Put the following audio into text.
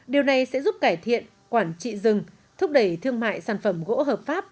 điều này sẽ giúp cải thiện quản trị rừng thúc đẩy thương mại sản phẩm gỗ hợp pháp